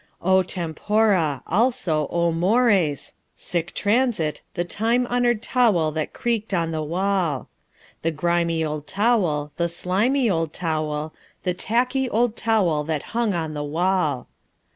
O tempora! Also, O mores! Sic transit The time honored towel that creaked on the wall. The grimy old towel, the slimy old towel, The tacky old towel that hung on the wall.